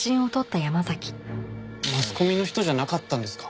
マスコミの人じゃなかったんですか？